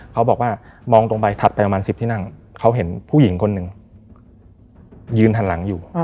เขาบอกว่ามองตรงไปถัดไปประมาณ๑๐ที่นั่งเขาเห็นผู้หญิงคนหนึ่งยืนหันหลังอยู่